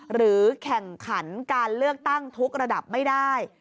หรือแข่งขันการเลือกตั้งทุกระดับไม่ได้